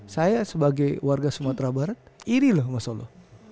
saya sebagai warga sumatera barat iri loh mas solo